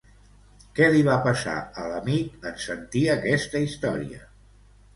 Què li va passar, a l'amic, en sentir aquesta història?